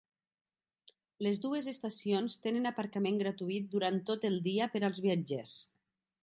Les dues estacions tenen aparcament gratuït durant tot el dia per als viatgers.